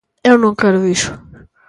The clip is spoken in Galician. Eu non quero iso.